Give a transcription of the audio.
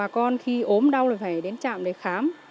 vận động bà con khi ốm đau là phải đến trạm để khám